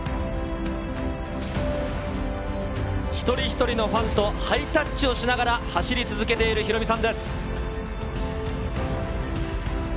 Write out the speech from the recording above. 一人一人のファンとハイタッチをしながら走り続けているヒロミさんです。